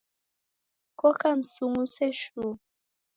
Koka msung'use shuu.